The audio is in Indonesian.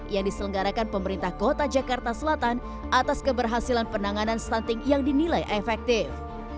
yang diselenggarakan pemerintah kota jakarta selatan atas keberhasilan penanganan stunting yang dinilai efektif